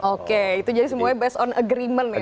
oke itu jadi semuanya based on agreement ya pak